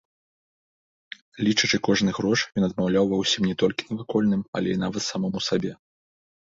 Лічачы кожны грош, ён адмаўляў ва ўсім не толькі навакольным, але нават самому сабе.